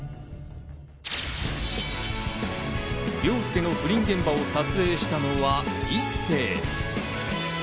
凌介の不倫現場を撮影したのは一星？